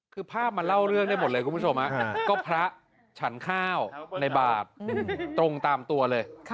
คือภาพมันเล่าเรื่องได้หมดเลยคุณผู้ชมก็พระฉันข้าวในบาทตรงตามตัวเลย